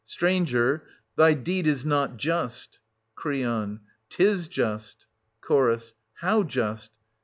Stranger, — thy deed is not just. Cr. Tis just. Ch. How just?